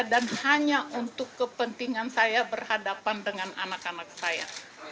dan hanya untuk kepentingan saya berhadapan dengan anak anak saya